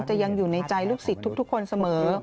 ยังอยู่ในใจลูกศิษย์ทุกคนเสมอ